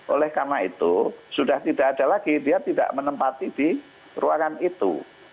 oleh karena itu sudah tidak ada lagi dia tidak menempati di ruangan itu